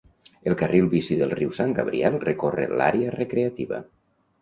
El carril bici del riu San Gabriel recorre l'àrea recreativa.